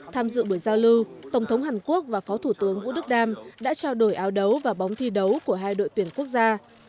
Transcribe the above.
tham dự buổi giao lưu tổng thống hàn quốc và phó thủ tướng vũ đức đam đã trao đổi áo đấu và bóng thi đấu của hai đội tuyển quốc gia